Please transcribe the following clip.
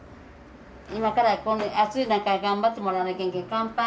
今から暑い中頑張ってもらわないけんけん乾杯！